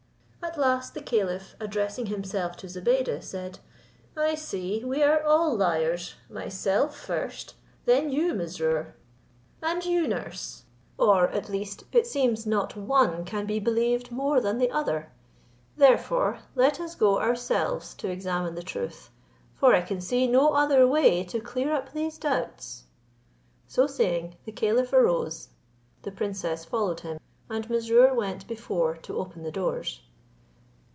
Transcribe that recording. At last the caliph, addressing himself to Zobeide, said, "I see we are all liars; myself first, then you, Mesrour, and you, nurse; or at least it seems not one can be believed more than the other; therefore let us go ourselves to examine the truth, for I can see no other way to clear up these doubts." So saying, the caliph arose, the princess followed him, and Mesrour went before to open the doors.